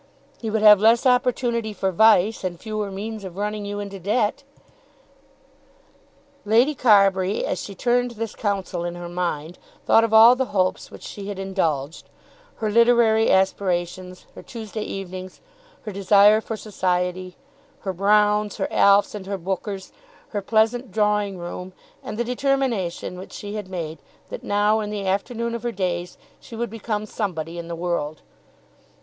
"He would have less opportunity for vice, and fewer means of running you into debt." Lady Carbury, as she turned this counsel in her mind, thought of all the hopes which she had indulged, her literary aspirations, her Tuesday evenings, her desire for society, her Brounes, her Alfs, and her Bookers, her pleasant drawing room, and the determination which she had made that now in the afternoon of her days she would become somebody in the world.